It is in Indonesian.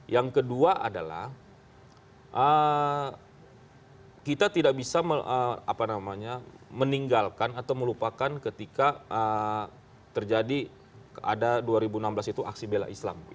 yang kedua adalah kita tidak bisa meninggalkan atau melupakan ketika terjadi ada dua ribu enam belas itu aksi bela islam